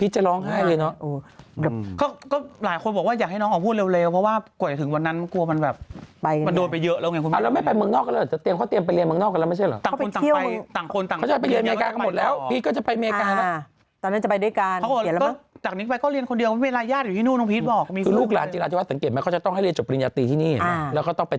สามนึงแม่สามนึงสามมั้งสามนึงแม่ใช่ไหมสามนึงแม่สามนึงแม่สามนึงแม่สามนึงแม่สามนึงแม่สามนึงแม่สามนึงแม่สามนึงแม่สามนึงแม่สามนึงแม่สามนึงแม่สามนึงแม่สามนึงแม่สามนึงแม่สามนึงแม่สามนึงแม่สามนึงแม่สามนึงแม่สามนึงแม่สามนึงแม่สามนึงแม่